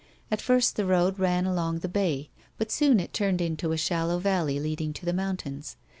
At first the road ran along the bay, but soon it turned into a shallow valley leading to tlie mountains.